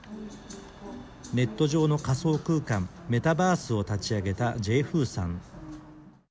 ネット上の仮想空間メタバースを立ち上げたジェイ・フーさん。